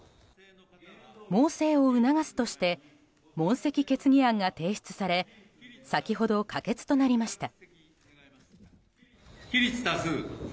猛省を促すとして問責決議案が提出され先ほど可決となりました。